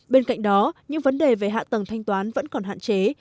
bên cạnh đó những vấn đề về hạ tầng thanh toán vẫn còn hạn chế